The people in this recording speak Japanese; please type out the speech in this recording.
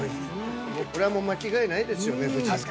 ◆これはもう間違いないですよね夫人。